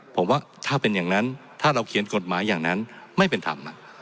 ผมว่าถ้าเป็นอย่างนั้นถ้าเราเขียนกฎหมายอย่างนั้นไม่เป็นธรรม